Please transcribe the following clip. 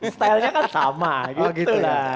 style nya kan sama gitu lah